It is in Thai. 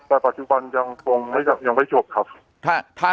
แต่ปัจจุบันยังไม่จบครับ